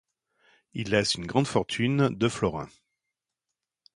Il laisse une grande fortune de florins.